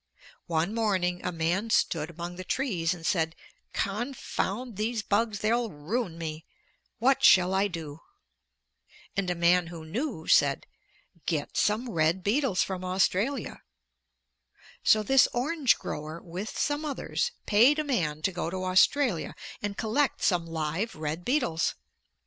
One morning a man stood among the trees and said, 'Confound these bugs; they'll ruin me; what shall I do?' and a man who knew said, 'Get some red beetles from Australia.' So this orange grower, with some others, paid a man to go to Australia and collect some live red beetles.